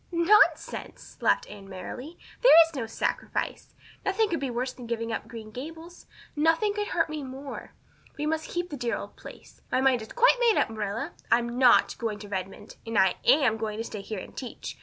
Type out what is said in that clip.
"Nonsense!" Anne laughed merrily. "There is no sacrifice. Nothing could be worse than giving up Green Gables nothing could hurt me more. We must keep the dear old place. My mind is quite made up, Marilla. I'm not going to Redmond; and I am going to stay here and teach.